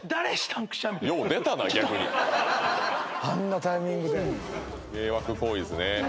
「あんなタイミングで」「迷惑行為ですね」